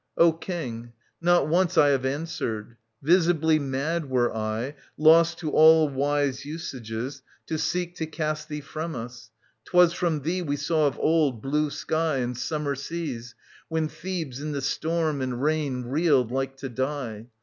O King, not once I have answered. Visibly Mad were I, lost to all wise usages, To seek to cast thee from us. 'Twas from thee We saw of old blue sky and summer seas, When Thebes in the storm and rain Reeled, like to die.